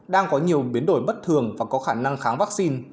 đang có nhiều biến đổi bất thường và có khả năng kháng vaccine